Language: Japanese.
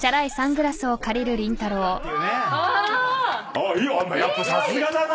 あいいやっぱさすがだな。